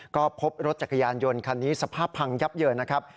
ก็พบรถจักรยานยนต์คันนี้สภาพพังยับเยินนะครับ